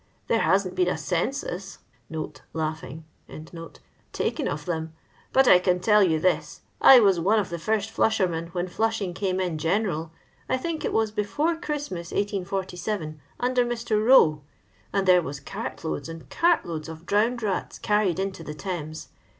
There hasn't been a census (hiughing) taken of them. But I can tell you this — I was one of the first flushermen when flushing came in general — I think it was before Christmas, 1847, under Mr. Boe — and there was cart loads and cart loads of drowned mts carried into the Thames.